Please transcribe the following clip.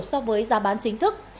so với giá bán chính thức